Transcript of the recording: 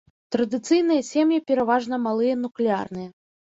Традыцыйныя сем'і пераважна малыя нуклеарныя.